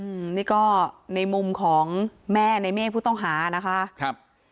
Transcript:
อืมนี่ก็ในมุมของแม่ในเมฆผู้ต้องหานะคะครับ